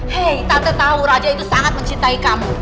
hei tante tahu raja itu sangat mencintai kamu